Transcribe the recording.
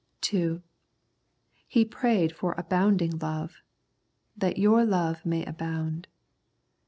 (2) He prayed for abounding love ; "that your love may abound."